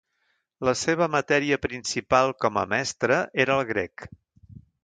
La seva matèria principal com a mestre era el grec.